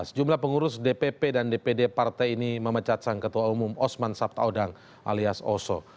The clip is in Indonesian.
sejumlah pengurus dpp dan dpd partai ini memecat sang ketua umum osman sabtaodang alias oso